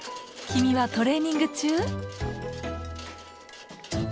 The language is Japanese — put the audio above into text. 君はトレーニング中？